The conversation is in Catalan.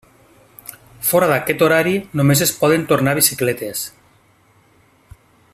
Fora d'aquest horari només es poden tornar bicicletes.